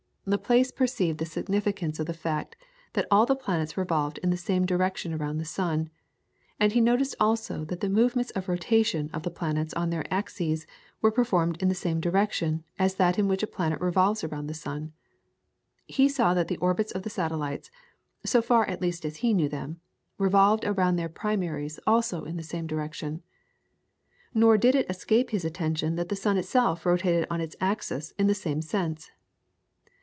Laplace perceived the significance of the fact that all the planets revolved in the same direction around the sun; he noticed also that the movements of rotation of the planets on their axes were performed in the same direction as that in which a planet revolves around the sun; he saw that the orbits of the satellites, so far at least as he knew them, revolved around their primaries also in the same direction. Nor did it escape his attention that the sun itself rotated on its axis in the same sense.